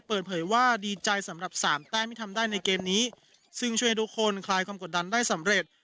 เปิดเผยว่าดีใจสำหรับสามแต้มที่ทำได้ในเกมนี้ซึ่งช่วยให้ทุกคนคลายความกดดันได้สำเร็จ